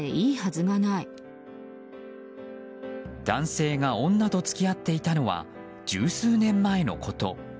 男性が女と付き合っていたのは十数年前のこと。